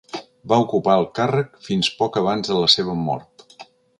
Va ocupar el càrrec fins poc abans de la seva mort.